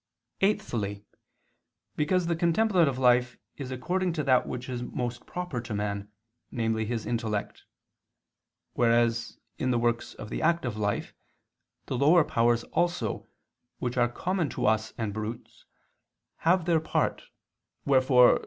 Eighthly, because the contemplative life is according to that which is most proper to man, namely his intellect; whereas in the works of the active life the lower powers also, which are common to us and brutes, have their part; wherefore (Ps.